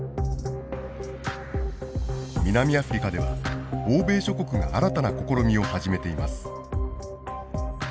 南アフリカでは欧米諸国が新たな試みを始めています。